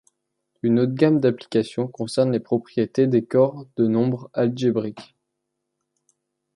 Une autre gamme d’applications concerne les propriétés des corps de nombres algébriques.